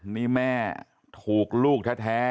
นี่แม่ถูกลูกแท้